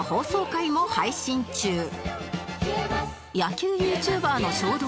野球 ＹｏｕＴｕｂｅｒ の衝動